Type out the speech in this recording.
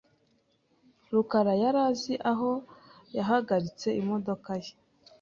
rukara yari azi aho yahagaritse imodoka ye .